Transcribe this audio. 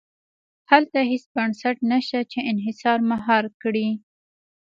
هلته هېڅ بنسټ نه شته چې انحصار مهار کړي.